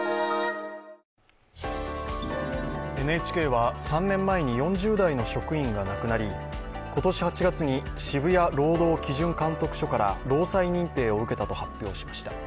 ＮＨＫは３年前に４０代の職員が亡くなり今年８月に渋谷労働基準監督署から労災認定を受けたと発表しました。